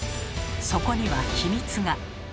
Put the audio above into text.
そこには秘密が。